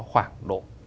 khoảng độ bảy